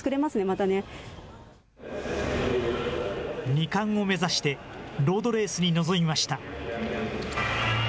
２冠を目指してロードレースに臨みました。